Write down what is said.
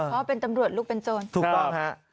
เพราะเป็นตำรวจลูกเป็นโจรถูกต้องฮะ